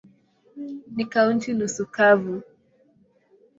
Ni kaunti nusu kavu.